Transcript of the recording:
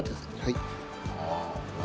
はい。